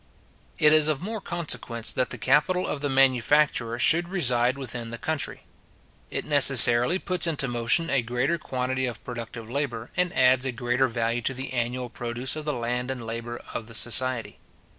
It is of more consequence that the capital of the manufacturer should reside within the country. It necessarily puts into motion a greater quantity of productive labour, and adds a greater value to the annual produce of the land and labour of the society.